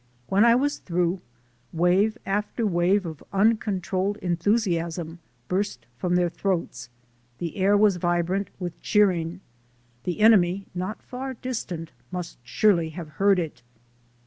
When I was through, wave after wave of uncontrolled enthusiasm burst from their throats. The air was vibrant with cheer ing. The enemy, not far distant, must surely have heard it.